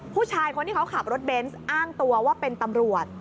ผู้ชายคนที่เขาขับรถเบนส์อ้างตัวว่าเป็นตำรวจ